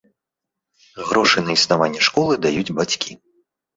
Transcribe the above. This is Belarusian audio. Грошы на існаванне школы даюць бацькі.